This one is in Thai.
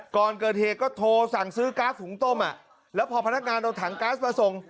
ก่อนเกิดเหตุก็โทรสั่งซื้อก๊าซหุงต้มอ่ะแล้วพอพนักงานเอาถังก๊าซมาส่ง